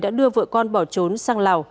đã đưa vợ con bỏ trốn sang lào